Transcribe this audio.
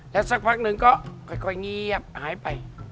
แล้วสักพักหนึ่งก็ค่อยเงียบหายไป